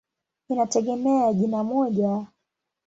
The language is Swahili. Inategemea ya jina moja.